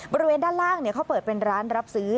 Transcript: บริเวณด้านล่างเขาเปิดเป็นร้านรับซื้อ